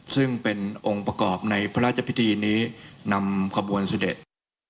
ซึ่งเป็นองค์ประกอบในพระราชพิธีนี้นำขบวนเสด็จ